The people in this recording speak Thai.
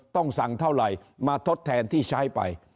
ต้องสั่งเท่าไหร่มาทดแทนที่ใช้ไป